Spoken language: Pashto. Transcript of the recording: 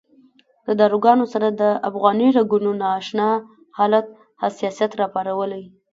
د داروګانو سره د افغاني رګونو نا اشنا حالت حساسیت راپارولی.